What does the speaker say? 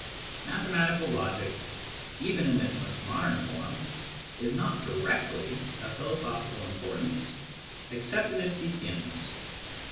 Mathematical logic, even" in its most modern form, is ' not directly of philosophical importance except in its beginnings.